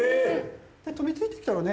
飛びついてきたらね